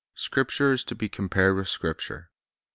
Scripture is to be compared with scripture.